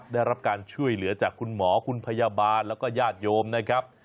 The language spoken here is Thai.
ได้รับการช่วยเหลือจากคุณหมอคุณพยาบาลแล้วก็ญาติโยมนะครับ